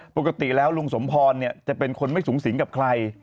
ปกติแล้วลุงสมพรจะเป็นคนไม่สูงสิงกับใคร